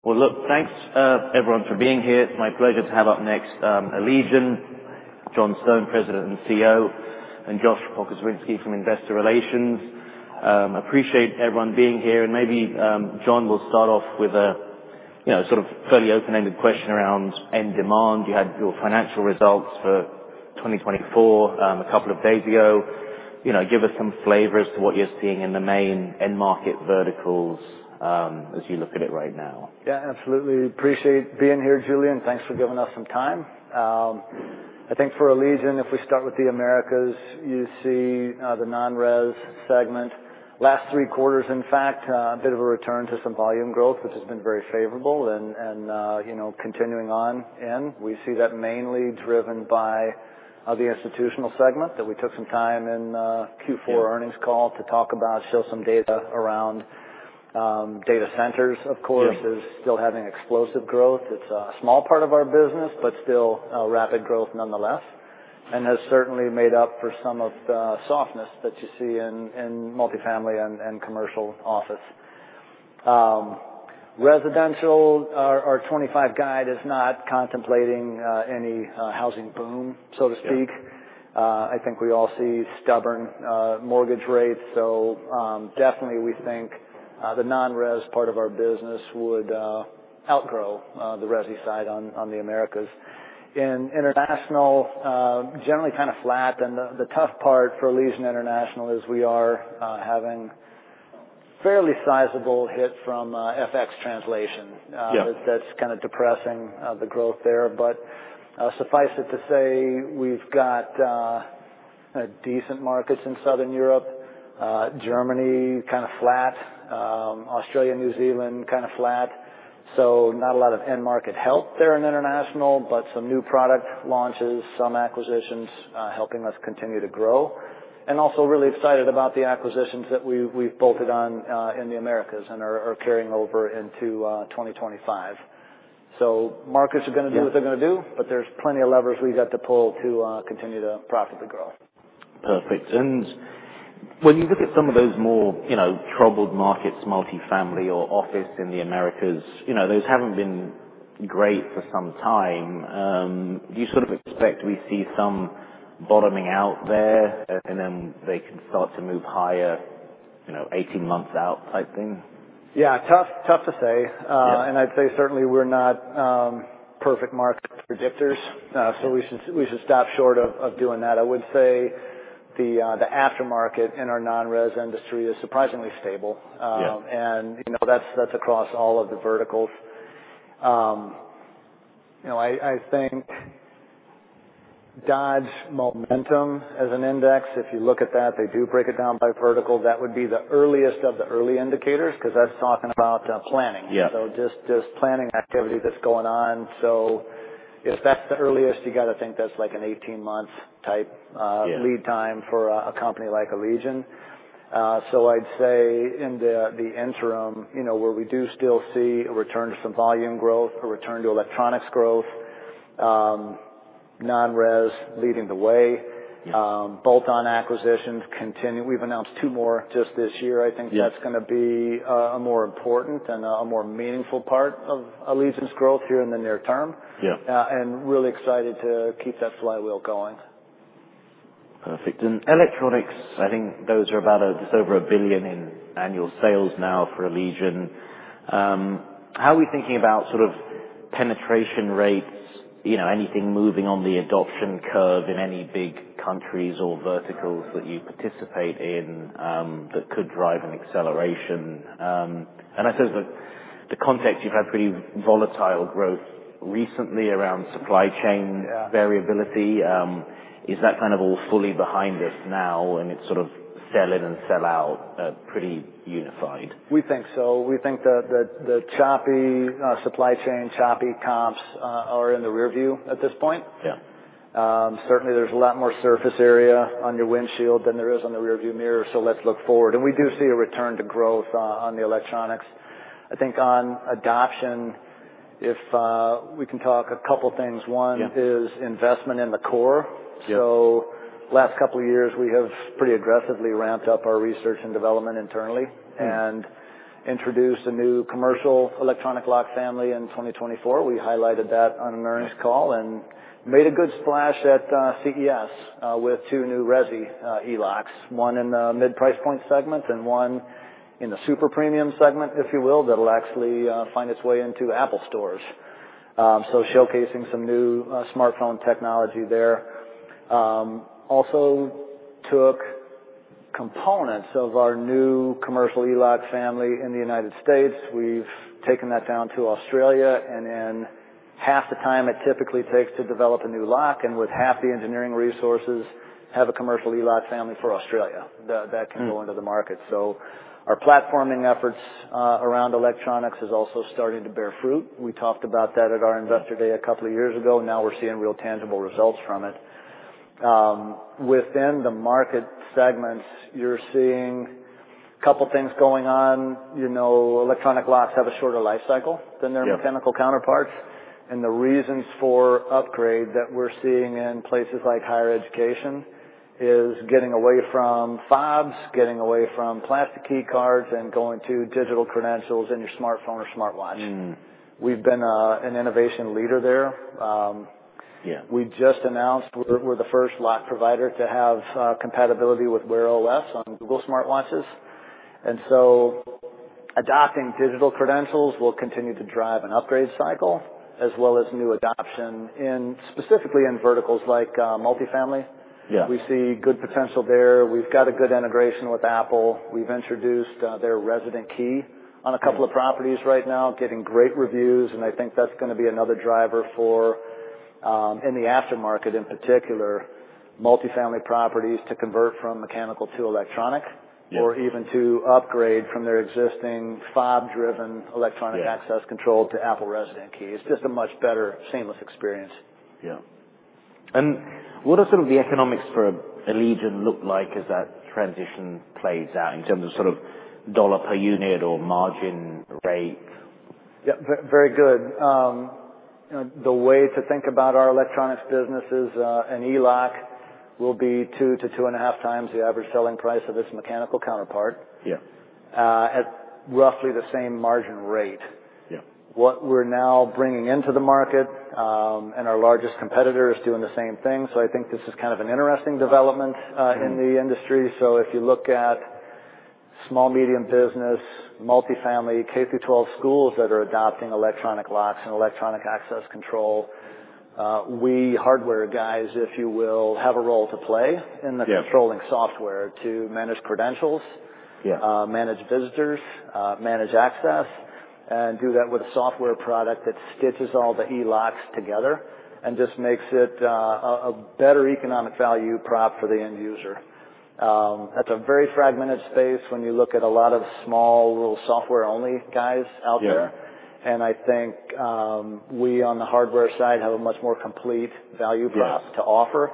Look, thanks, everyone, for being here. It's my pleasure to have up next, Allegion, John Stone, President and CEO, and Josh Pokrzywinski from Investor Relations. I appreciate everyone being here. Maybe, John, we'll start off with a, you know, sort of fairly open-ended question around end demand. You had your financial results for 2024, a couple of days ago. You know, give us some flavors to what you're seeing in the main end market verticals, as you look at it right now. Yeah, absolutely. Appreciate being here, Julian. Thanks for giving us some time. I think for Allegion, if we start with the Americas, you see, the non-res segment, last three quarters, in fact, a bit of a return to some volume growth, which has been very favorable. And you know, continuing on, we see that mainly driven by the institutional segment that we took some time in Q4 earnings call to talk about, show some data around data centers, of course. Yes. Is still having explosive growth. It's a small part of our business, but still, rapid growth nonetheless, and has certainly made up for some of the softness that you see in multifamily and commercial office. Residential, our 2025 guide is not contemplating any housing boom, so to speak. Sure. I think we all see stubborn mortgage rates. So, definitely, we think the non-res part of our business would outgrow the resi side on the Americas. In international, generally kind of flat, and the tough part for Allegion International is we are having a fairly sizable hit from FX translation. Yep. That's kind of depressing, the growth there. But suffice it to say, we've got decent markets in Southern Europe, Germany kind of flat, Australia, New Zealand kind of flat. So not a lot of end market help there in international, but some new product launches, some acquisitions, helping us continue to grow. And also really excited about the acquisitions that we've bolted on in the Americas and are carrying over into 2025. So markets are gonna do what they're gonna do, but there's plenty of levers we've got to pull to continue to profitably grow. Perfect. When you look at some of those more, you know, troubled markets, multifamily or office in the Americas, you know, those haven't been great for some time. Do you sort of expect we see some bottoming out there and then they can start to move higher, you know, 18 months out type thing? Yeah, tough, tough to say. Yeah. And I'd say certainly we're not perfect market predictors. Yeah. We should stop short of doing that. I would say the aftermarket in our non-res industry is surprisingly stable. Yeah. You know, that's across all of the verticals. You know, I think Dodge Momentum as an index, if you look at that, they do break it down by vertical. That would be the earliest of the early indicators 'cause that's talking about planning. Yeah. So just planning activity that's going on. So if that's the earliest, you gotta think that's like an 18-month type, Yeah. Lead time for a company like Allegion, so I'd say in the interim, you know, where we do still see a return to some volume growth, a return to electronics growth, non-res leading the way. Yeah. Bolt-on acquisitions continue. We've announced two more just this year. I think that's gonna be. Yeah. A more important and a more meaningful part of Allegion's growth here in the near term. Yeah. And really excited to keep that flywheel going. Perfect. And electronics, I think those are about a just over a billion in annual sales now for Allegion. How are we thinking about sort of penetration rates, you know, anything moving on the adoption curve in any big countries or verticals that you participate in, that could drive an acceleration? And I suppose the context you've had pretty volatile growth recently around supply chain. Yeah. Variability, is that kind of all fully behind us now and it's sort of sell in and sell out, pretty unified? We think so. We think that the choppy supply chain, choppy comps, are in the rearview at this point. Yeah. Certainly, there's a lot more surface area on your windshield than there is on the rearview mirror. So let's look forward. And we do see a return to growth on the electronics. I think on adoption, we can talk a couple things. One. Yeah. Is investment in the core? Yeah. So, last couple of years, we have pretty aggressively ramped up our research and development internally and introduced a new commercial electronic lock family in 2024. We highlighted that on an earnings call and made a good splash at CES with two new resi e-locks, one in the mid-price point segment and one in the super premium segment, if you will, that'll actually find its way into Apple stores, so showcasing some new smartphone technology there. Also took components of our new commercial e-lock family in the United States. We've taken that down to Australia and in half the time it typically takes to develop a new lock and with half the engineering resources have a commercial e-lock family for Australia that can go into the market. So our platforming efforts around electronics is also starting to bear fruit. We talked about that at our investor day a couple of years ago. Now we're seeing real tangible results from it. Within the market segments, you're seeing a couple things going on. You know, electronic locks have a shorter life cycle than their mechanical counterparts. Yeah. The reasons for upgrade that we're seeing in places like higher education is getting away from fobs, getting away from plastic key cards, and going to digital credentials in your smartphone or smartwatch. We've been an innovation leader there. Yeah. We just announced we're the first lock provider to have compatibility with Wear OS on Google smartwatches, and so adopting digital credentials will continue to drive an upgrade cycle as well as new adoption specifically in verticals like multifamily. Yeah. We see good potential there. We've got a good integration with Apple. We've introduced their resident key on a couple of properties right now, getting great reviews, and I think that's gonna be another driver for, in the aftermarket in particular, multifamily properties to convert from mechanical to electronic. Yes. Or even to upgrade from their existing fob-driven electronic access control to Apple Resident Key. It's just a much better seamless experience. Yeah. And what are sort of the economics for Allegion look like as that transition plays out in terms of sort of dollar per unit or margin rate? Yeah, very good. You know, the way to think about our electronics businesses, and e-lock will be two to two and a half times the average selling price of its mechanical counterpart. Yeah. at roughly the same margin rate. Yeah. What we're now bringing into the market, and our largest competitor is doing the same thing. So I think this is kind of an interesting development in the industry. Yeah. So if you look at small, medium business, multifamily, K through 12 schools that are adopting electronic locks and electronic access control, we hardware guys, if you will, have a role to play in the. Yeah. Controlling software to manage credentials. Yeah. Manage visitors, manage access, and do that with a software product that stitches all the e-locks together and just makes it a better economic value prop for the end user. That's a very fragmented space when you look at a lot of small little software-only guys out there. Yeah. I think we on the hardware side have a much more complete value prop. Yeah. To offer.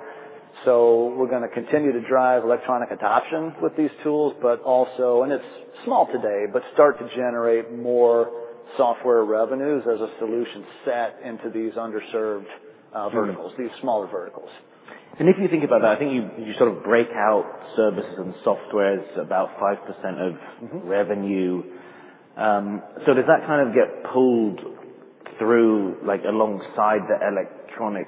So we're gonna continue to drive electronic adoption with these tools, but also, and it's small today, but start to generate more software revenues as a solution set into these underserved verticals. Yeah. These smaller verticals. And if you think about that, I think you sort of break out services and software as about 5% of. Mm-hmm. Revenue. So does that kind of get pulled through, like, alongside the electronic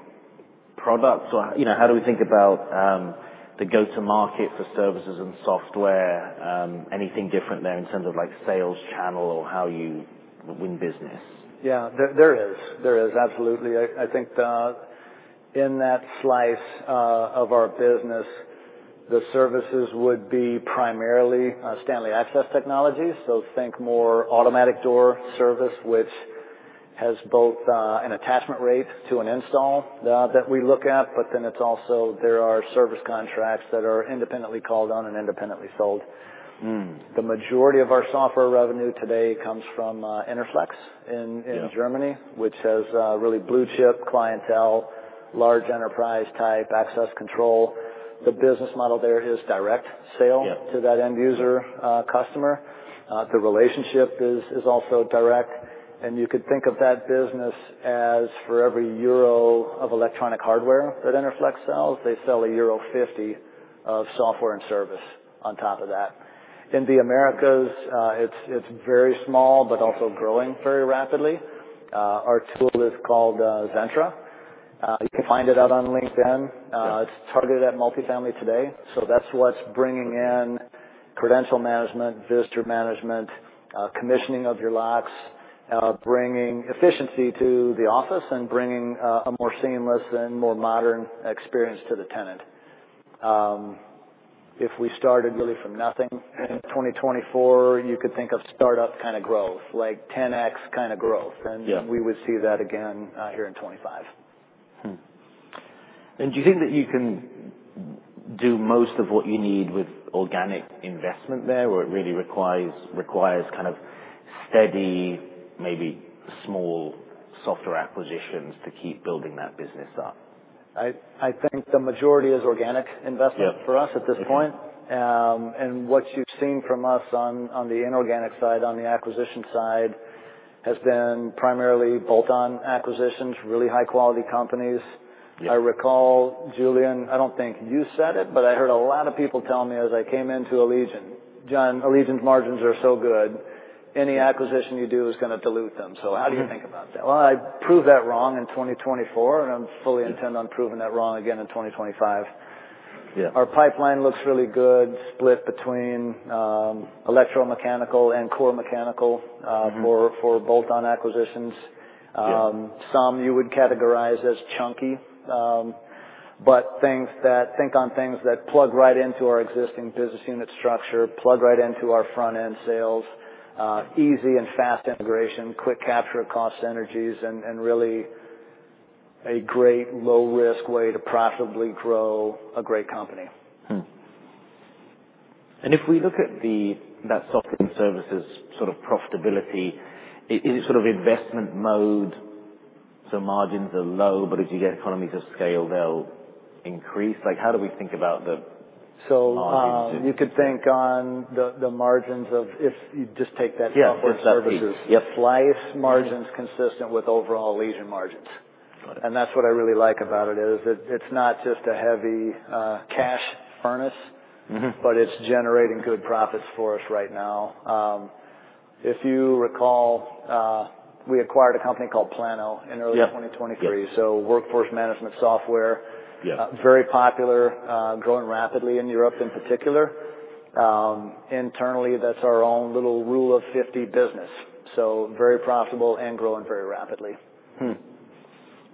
products? Or, you know, how do we think about the go-to-market for services and software? Anything different there in terms of, like, sales channel or how you win business? Yeah, there is. Absolutely. I think, in that slice of our business, the services would be primarily Stanley Access Technologies. So think more automatic door service, which has both an attachment rate to an install that we look at. But then it's also there are service contracts that are independently called on and independently sold. The majority of our software revenue today comes from Interflex in Germany. Yeah. Which has really blue chip clientele, large enterprise-type access control. The business model there is direct sale. Yeah. To that end user customer, the relationship is also direct. You could think of that business as for every euro of electronic hardware that Interflex sells, they sell euro 50 of software and service on top of that. In the Americas, it's very small but also growing very rapidly. Our tool is called Zentra. You can find it out on LinkedIn. It's targeted at multifamily today. That's what's bringing in credential management, visitor management, commissioning of your locks, bringing efficiency to the office and bringing a more seamless and more modern experience to the tenant. If we started really from nothing in 2024, you could think of startup kind of growth, like 10X kind of growth. Yeah. We would see that again, here in 2025. Do you think that you can do most of what you need with organic investment there or it really requires kind of steady, maybe small software acquisitions to keep building that business up? I think the majority is organic investment. Yeah. For us at this point. Yeah. And what you've seen from us on the inorganic side, on the acquisition side, has been primarily bolt-on acquisitions, really high-quality companies. Yeah. I recall Julian, I don't think you said it, but I heard a lot of people tell me as I came into Allegion, "John, Allegion's margins are so good. Any acquisition you do is gonna dilute them." So how do you think about that? Yeah. I proved that wrong in 2024, and I'm fully intent on proving that wrong again in 2025. Yeah. Our pipeline looks really good, split between electromechanical and core mechanical, for bolt-on acquisitions. Yeah. Some you would categorize as chunky, but things that think on things that plug right into our existing business unit structure, plug right into our front-end sales, easy and fast integration, quick capture of cost synergies, and really a great low-risk way to profitably grow a great company. If we look at that software and services sort of profitability, is it sort of investment mode? So margins are low, but if you get economies of scale, they'll increase? Like, how do we think about the end user? So you could think on the margins of if you just take that software and services. Yeah, just that piece. Yeah. The Schlage margins consistent with overall Allegion margins. Got it. That's what I really like about it is, it's not just a heavy cash furnace. Mm-hmm. But it's generating good profits for us right now. If you recall, we acquired a company called Plano in early 2023. Yeah. So workforce management software. Yeah. Very popular, growing rapidly in Europe in particular. Internally, that's our own little rule of 50 business. So very profitable and growing very rapidly.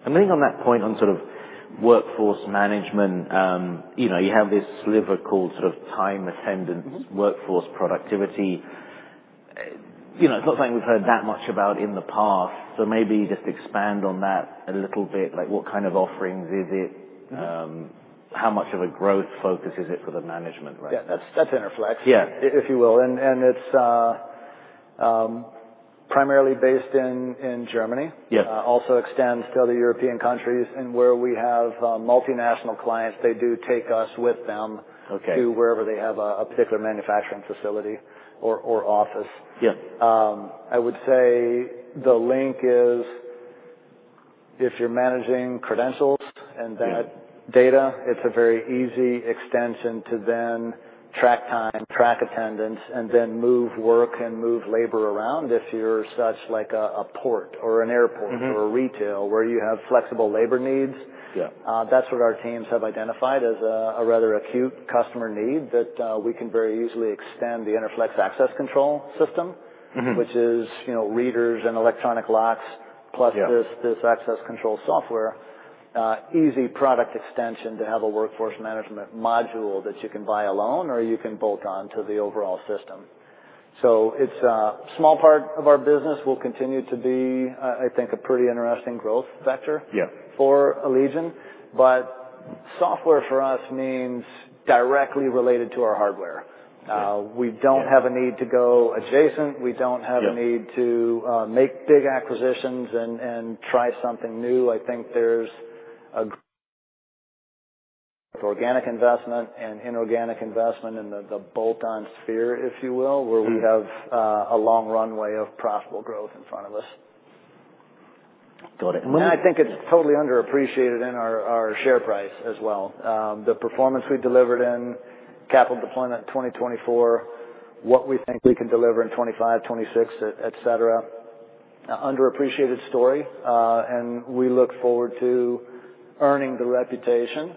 I think on that point on sort of workforce management, you know, you have this sliver called sort of time attendance. Mm-hmm. Workforce productivity. You know, it's not something we've heard that much about in the past. So maybe just expand on that a little bit. Like, what kind of offerings is it? How much of a growth focus is it for the management, right? Yeah, that's, that's Interflex. Yeah. If you will, and it's primarily based in Germany. Yeah. Also extends to other European countries. And where we have multinational clients, they do take us with them. Okay. To wherever they have a particular manufacturing facility or office. Yeah. I would say the link is if you're managing credentials and that. Yeah. Data, it's a very easy extension to then track time, track attendance, and then move work and move labor around if you're such as a port or an airport. Mm-hmm. Or a retail where you have flexible labor needs. Yeah. That's what our teams have identified as a rather acute customer need that we can very easily extend the Interflex access control system. Mm-hmm. Which is, you know, readers and electronic locks plus this. Yeah. This access control software, easy product extension to have a workforce management module that you can buy alone or you can bolt on to the overall system, so it's a small part of our business. We'll continue to be, I think, a pretty interesting growth vector. Yeah. For Allegion. But software for us means directly related to our hardware. Yeah. We don't have a need to go adjacent. We don't have a need to make big acquisitions and try something new. I think there's an organic investment and inorganic investment in the bolt-on sphere, if you will, where we have a long runway of profitable growth in front of us. Got it. And when. And I think it's totally underappreciated in our, our share price as well. The performance we delivered in capital deployment 2024, what we think we can deliver in 2025, 2026, etc., underappreciated story. And we look forward to earning the reputation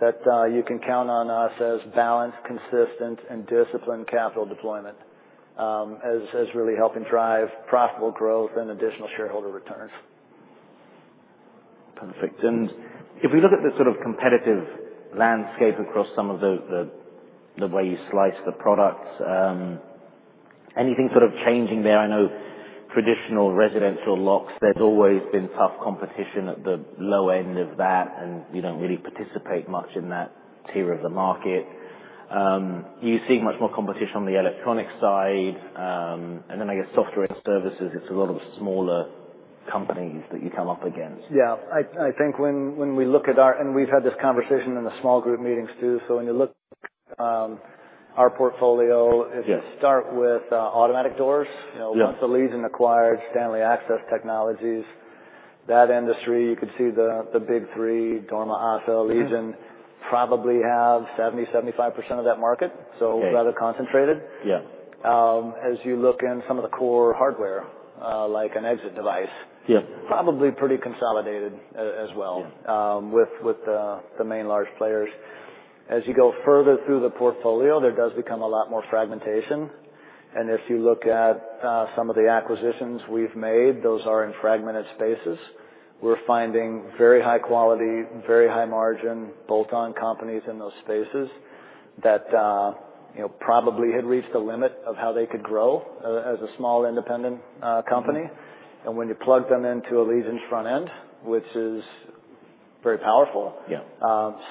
that you can count on us as balanced, consistent, and disciplined capital deployment, as, as really helping drive profitable growth and additional shareholder returns. Perfect. And if we look at the sort of competitive landscape across some of the way you slice the products, anything sort of changing there? I know traditional residential locks, there's always been tough competition at the low end of that, and you don't really participate much in that tier of the market. You see much more competition on the electronic side, and then I guess software and services, it's a lot of smaller companies that you come up against. Yeah, I think when we look at our, and we've had this conversation in the small group meetings too. So when you look, our portfolio. Yeah. If you start with automatic doors, you know. Yeah. Once Allegion acquired Stanley Access Technologies, that industry, you could see the big th ree, Dorma, ASA, Allegion, probably have 70%-75% of that market. Yeah. So rather concentrated. Yeah. As you look in some of the core hardware, like an exit device. Yeah. Probably pretty consolidated as well. Yeah. With the main large players. As you go further through the portfolio, there does become a lot more fragmentation. And if you look at some of the acquisitions we've made, those are in fragmented spaces. We're finding very high quality, very high margin bolt-on companies in those spaces that, you know, probably had reached the limit of how they could grow, as a small independent company. And when you plug them into Allegion's front end, which is very powerful. Yeah.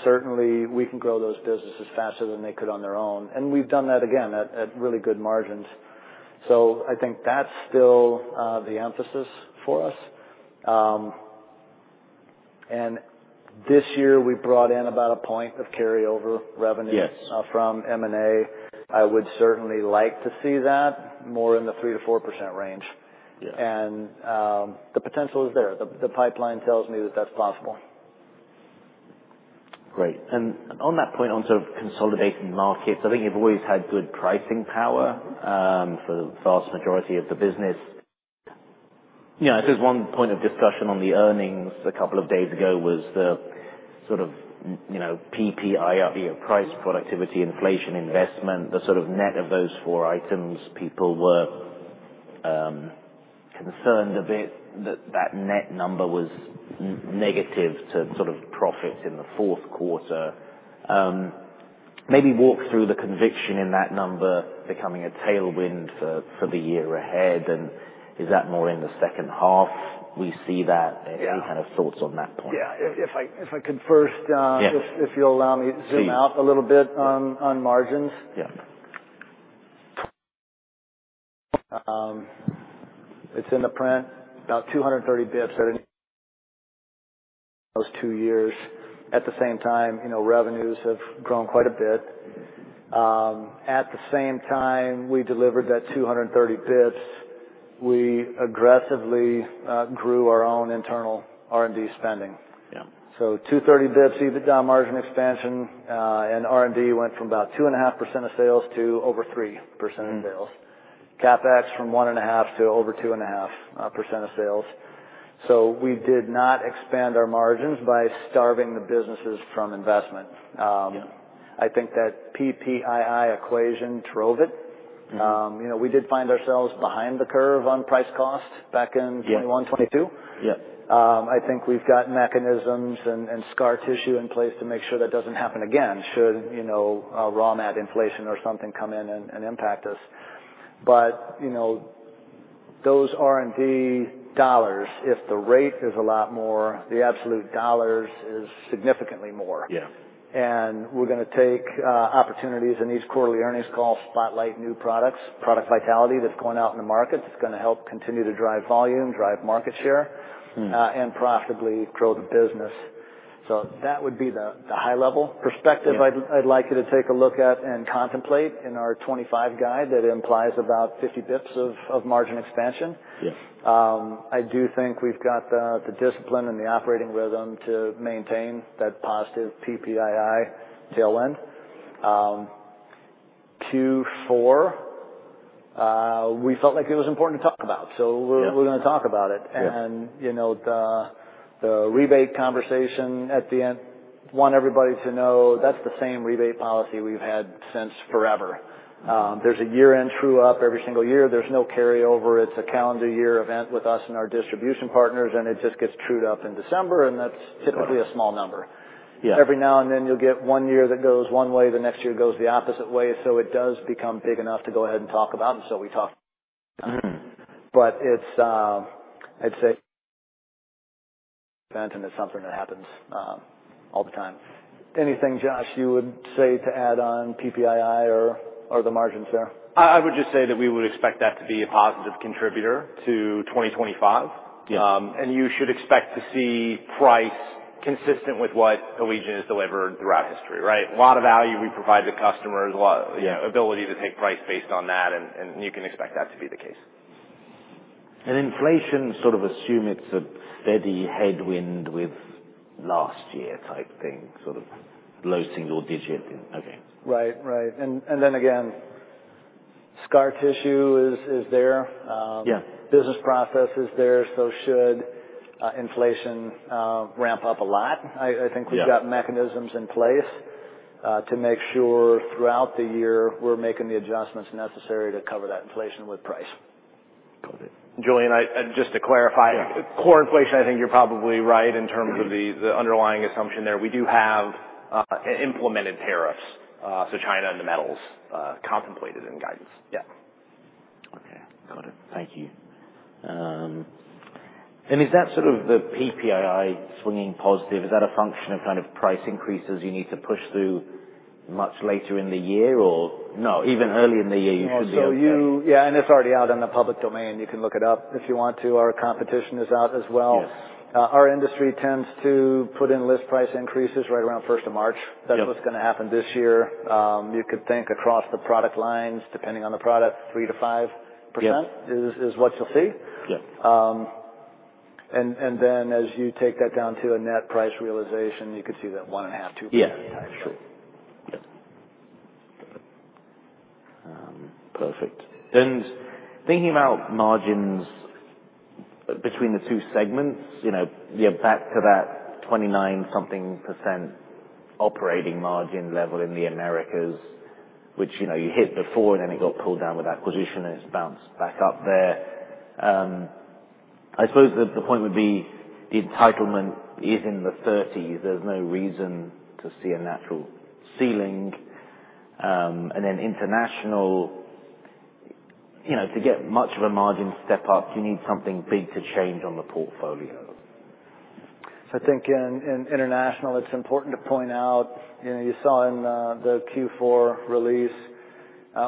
Certainly we can grow those businesses faster than they could on their own. And we've done that again at really good margins. So I think that's still the emphasis for us. And this year we brought in about a point of carryover revenue. Yes. from M&A. I would certainly like to see that more in the 3%-4% range. Yeah. And the potential is there. The pipeline tells me that that's possible. Great. And on that point on sort of consolidating markets, I think you've always had good pricing power, for the vast majority of the business. You know, I think there's one point of discussion on the earnings a couple of days ago was the sort of, you know, PPII, you know, price productivity, inflation, investment, the sort of net of those four items. People were concerned a bit that that net number was negative to sort of profits in the fourth quarter. Maybe walk through the conviction in that number becoming a tailwind for the year ahead. And is that more in the second half? We see that. Yeah. Any kind of thoughts on that point? Yeah, if I could first, Yeah. If you'll allow me to zoom out a little bit on margins. Yeah. It's in the print, about 230 basis points in any of those two years. At the same time, you know, revenues have grown quite a bit. At the same time we delivered that 230 basis points, we aggressively grew our own internal R&D spending. Yeah. 230 basis points EBITDA margin expansion, and R&D went from about 2.5% of sales to over 3% of sales. CapEx from 1.5% to over 2.5% of sales. We did not expand our margins by starving the businesses from investment. Yeah. I think that PPII equation drove it. Mm-hmm. You know, we did find ourselves behind the curve on price cost back in 2021, 2022. Yeah. I think we've got mechanisms and scar tissue in place to make sure that doesn't happen again should, you know, raw mat inflation or something come in and impact us. But, you know, those R&D dollars, if the rate is a lot more, the absolute dollars is significantly more. Yeah. And we're gonna take opportunities in these quarterly earnings calls to spotlight new products, product vitality that's going out in the market that's gonna help continue to drive volume, drive market share, and profitably grow the business. So that would be the high-level perspective. Yeah. I'd like you to take a look at and contemplate in our 2025 guide that implies about 50 bips of margin expansion. Yeah. I do think we've got the discipline and the operating rhythm to maintain that positive PPII tailwind. Q4, we felt like it was important to talk about. So we're. Yeah. We're gonna talk about it. Yeah. You know, the rebate conversation at the end. Want everybody to know that's the same rebate policy we've had since forever. There's a year-end true-up every single year. There's no carryover. It's a calendar year event with us and our distribution partners, and it just gets trued up in December. That's typically a small number. Yeah. Every now and then you'll get one year that goes one way, the next year goes the opposite way. So it does become big enough to go ahead and talk about, and so we talk, but it's, I'd say, but then, it's something that happens all the time. Anything, Josh, you would say to add on PPII or the margins there? I would just say that we would expect that to be a positive contributor to 2025. Yeah. And you should expect to see price consistent with what Allegion has delivered throughout history, right? A lot of value we provide the customers, a lot. Yeah. You know, ability to take price based on that. And you can expect that to be the case. And inflation, sort of assume it's a steady headwind with last year type thing, sort of low single digit in. Okay. Right, right. And then again, scar tissue is there. Yeah. Business process is there. So should inflation ramp up a lot, I think we've got. Yeah. Mechanisms in place to make sure throughout the year we're making the adjustments necessary to cover that inflation with price. Got it. Julian, I just to clarify. Yeah. Core inflation, I think you're probably right in terms of the underlying assumption there. We do have implemented tariffs, so China and the metals, contemplated in guidance. Yeah. Okay. Got it. Thank you. And is that sort of the PPII swinging positive, is that a function of kind of price increases you need to push through much later in the year or no, even early in the year you should be able to? No. So, yeah, and it's already out in the public domain. You can look it up if you want to. Our competition is out as well. Yes. Our industry tends to put in list price increases right around 1st of March. Yeah. That's what's gonna happen this year. You could think across the product lines, depending on the product, 3%-5%. Yeah. Is what you'll see. Yeah. and then as you take that down to a net price realization, you could see that 1.5%-2%. Yeah. Type. Sure. Yeah. Perfect. And thinking about margins between the two segments, you know, you're back to that 29-something% operating margin level in the Americas, which, you know, you hit before and then it got pulled down with acquisition and it's bounced back up there. I suppose the point would be the entitlement is in the 30s%. There's no reason to see a natural ceiling. And then international, you know, to get much of a margin step up, you need something big to change on the portfolio. I think in international, it's important to point out, you know, you saw in the Q4 release,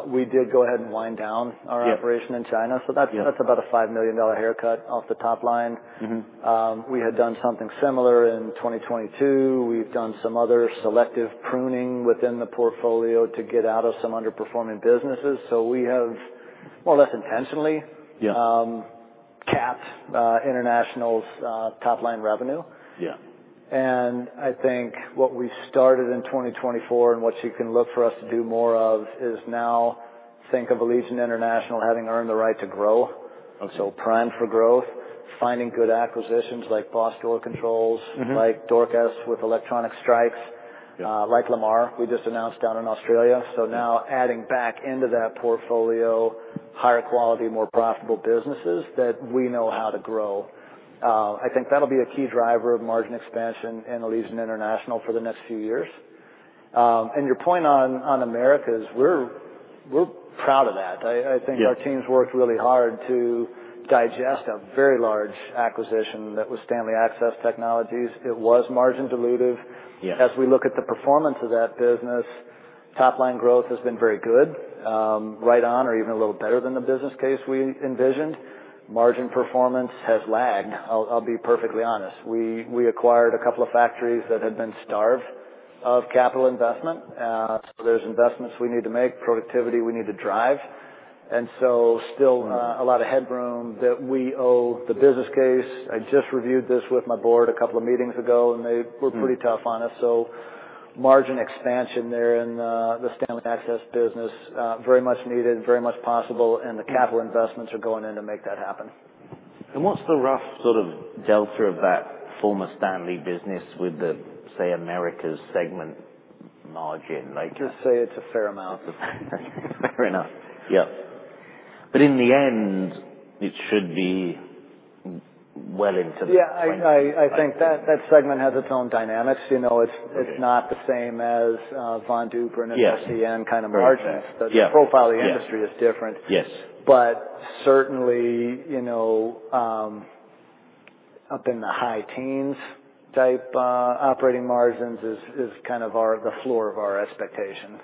we did go ahead and wind down our operation in China. Yeah. So that's, that's about a $5 million haircut off the top line. Mm-hmm. We had done something similar in 2022. We've done some other selective pruning within the portfolio to get out of some underperforming businesses. So we have more or less intentionally. Yeah. Capped international's top line revenue. Yeah. I think what we started in 2024 and what you can look for us to do more of is now think of Allegion International having earned the right to grow. Okay. So primed for growth, finding good acquisitions like Boss door Controls. Mm-hmm. Like Dorcas with electronic strikes. Yeah. Like Lemaar, we just announced down in Australia. So now adding back into that portfolio higher quality, more profitable businesses that we know how to grow. I think that'll be a key driver of margin expansion in Allegion International for the next few years, and your point on Americas, we're proud of that. I think. Yeah. Our teams worked really hard to digest a very large acquisition that was Stanley Access Technologies. It was margin-dilutive. Yeah. As we look at the performance of that business, top line growth has been very good, right on or even a little better than the business case we envisioned. Margin performance has lagged. I'll be perfectly honest. We acquired a couple of factories that had been starved of capital investment, so there's investments we need to make, productivity we need to drive, and so still a lot of headroom that we owe the business case. I just reviewed this with my board a couple of meetings ago and they were pretty tough on us, so margin expansion there, in the Stanley Access business, very much needed, very much possible. And the capital investments are going in to make that happen. What's the rough sort of delta of that former Stanley business with the, say, Americas Segment Margin? Just say it's a fair amount. Fair enough. Yeah. But in the end, it should be well into the. Yeah, I think that segment has its own dynamics. You know, it's not the same as, Von Duprin and. Yes. LCN kind of margins. Yeah. The profile of the industry is different. Yes. But certainly, you know, up in the high teens type operating margins is kind of the floor of our expectation.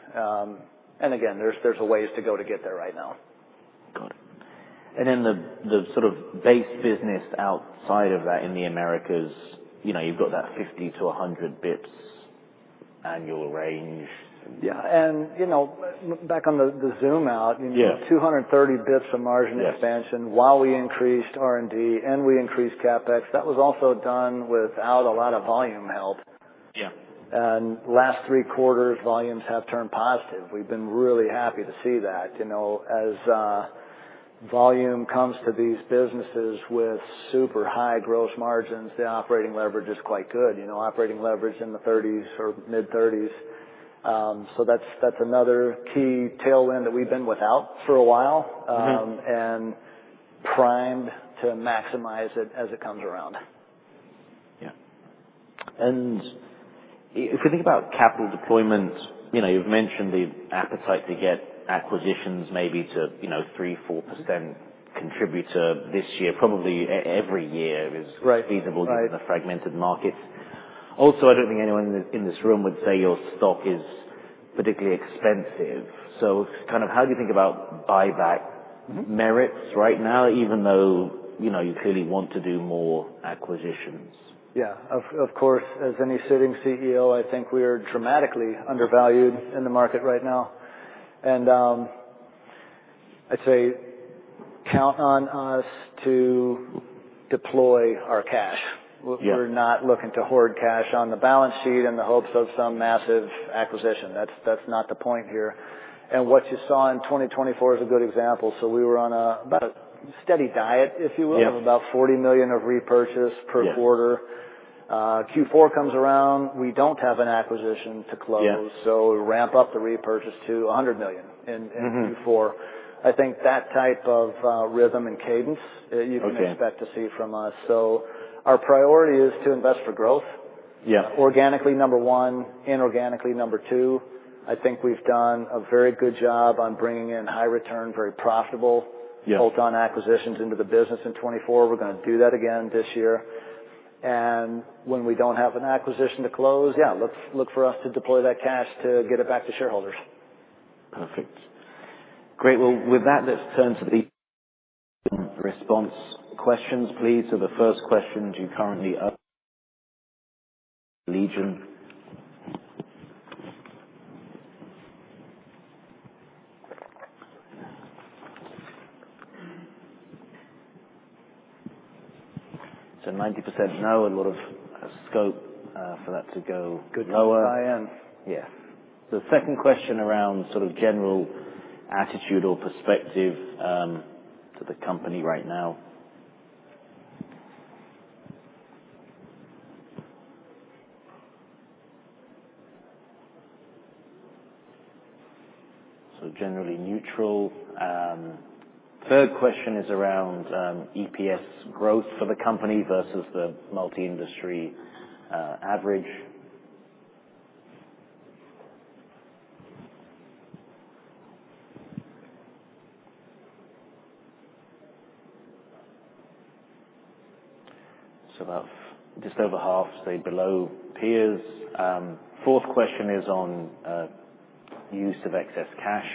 And again, there's a ways to go to get there right now. Got it. And then the sort of base business outside of that in the Americas, you know, you've got that 50 to 100 basis points annual range. Yeah. And, you know, back on the zoom out. Yeah. You know, 230 basis points of margin expansion. Yeah. While we increased R&D and we increased CapEx, that was also done without a lot of volume help. Yeah. Last three quarters, volumes have turned positive. We've been really happy to see that. You know, as volume comes to these businesses with super high gross margins, the operating leverage is quite good. You know, operating leverage in the 30s or mid-30s. So that's another key tailwind that we've been without for a while. Yeah. And primed to maximize it as it comes around. Yeah, and if we think about capital deployment, you know, you've mentioned the appetite to get acquisitions maybe to, you know, 3%-4% contributor this year. Probably every year is. Right. Feasible. Right. Given the fragmented markets. Also, I don't think anyone in this room would say your stock is particularly expensive. So kind of how do you think about buyback merits right now, even though, you know, you clearly want to do more acquisitions? Yeah. Of course, as any sitting CEO, I think we are dramatically undervalued in the market right now, and I'd say count on us to deploy our cash. Yeah. We're not looking to hoard cash on the balance sheet in the hopes of some massive acquisition. That's, that's not the point here. And what you saw in 2024 is a good example. So we were on about a steady diet, if you will. Yeah. Of about $40 million of repurchase per quarter. Yeah. Q4 comes around, we don't have an acquisition to close. Yeah. So ramp up the repurchase to $100 million in Q4. Mm-hmm. I think that type of rhythm and cadence you can. Okay. Expect to see from us. So our priority is to invest for growth. Yeah. Organically, number one. Inorganically, number two. I think we've done a very good job on bringing in high return, very profitable. Yeah. Hold on acquisitions into the business in 2024. We're gonna do that again this year. And when we don't have an acquisition to close, yeah, look, look for us to deploy that cash to get it back to shareholders. Perfect. Great. With that, let's turn to the response questions, please. The first question, do you currently own Allegion? 90% no, a lot of scope for that to go. Goodness, I am. Yeah. So second question around sort of general attitude or perspective to the company right now. So generally neutral. Third question is around EPS growth for the company versus the multi-industry average. So about just over half, say, below peers. Fourth question is on use of excess cash.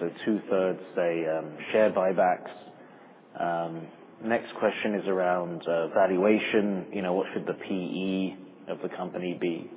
So two-thirds, say, share buybacks. Next question is around valuation. You know, what should the PE of the company be?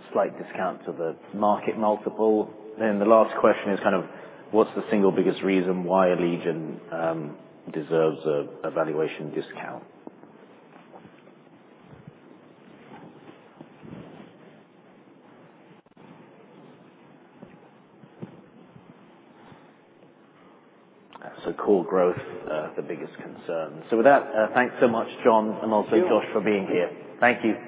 So most say a slight discount to the market multiple. Then the last question is kind of what's the single biggest reason why Allegion deserves a valuation discount? So core growth, the biggest concern. So with that, thanks so much, John, and also. Thank you. Thank you, Josh, for being here.